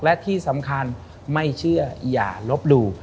และที่สำคัญไม่เชื่ออย่าลบหลู่